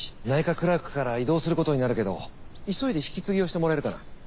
内科クラークから異動することになるけど急いで引き継ぎをしてもらえるかな。